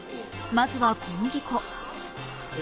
まずは、小麦粉。